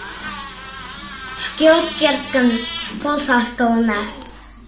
Шке от керт гын, полшаш толына...